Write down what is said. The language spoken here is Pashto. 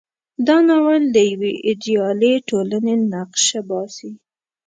دا ناول د یوې ایډیالې ټولنې نقشه باسي.